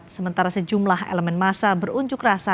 sementara sejumlah elemen masa berunjuk rasa